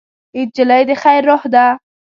نجلۍ د خیر روح ده.